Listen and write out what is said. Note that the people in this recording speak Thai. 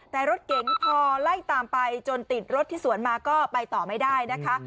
แต่รถเก๋งพอไล่ตามไปจนติดรถที่สวนมาก็ไปต่อไม่ได้นะคะ